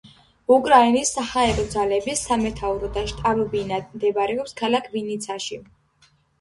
უკრაინის საჰაერო ძალების სამეთაურო და შტაბ-ბინა მდებარეობს ქალაქ ვინიცაში.